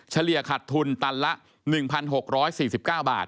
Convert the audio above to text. เฉลี่ยขัดทุนตันละ๑๖๔๙บาท